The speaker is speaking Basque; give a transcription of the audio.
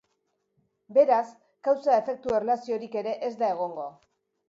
Beraz, kausa-efektu erlaziorik ere ez da egongo.